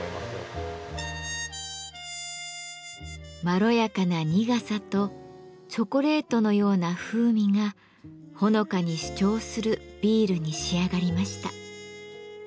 まろやかな苦さとチョコレートのような風味がほのかに主張するビールに仕上がりました。